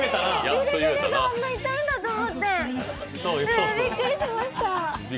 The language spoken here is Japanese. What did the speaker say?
ビリビリがあんなに痛いんだと思ってびっくりしました。